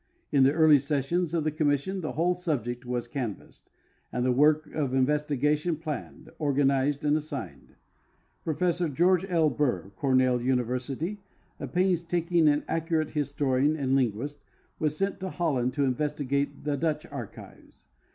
In the early sessions of the commission the whole subject was canvassed, and the work of investigation planned, organized, and assigned.. Professor George L. Burr, of Cornell University, a painstaking and accurate historian and linguist, was sent to Holland to investigate the Dutch archives.